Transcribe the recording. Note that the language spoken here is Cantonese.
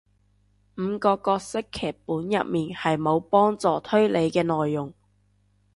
五個角色劇本入面係無幫助推理嘅內容